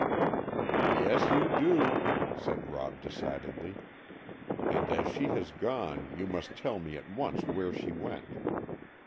"Yes, you do," said Rob decidedly, "and as she has gone, you must tell me at once where she went."